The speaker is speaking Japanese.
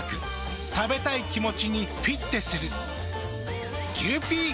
食べたい気持ちにフィッテする。